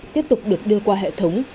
tiếp tục được đưa qua hệ thống